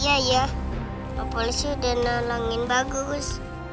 iya ya polisi udah nalangin bagus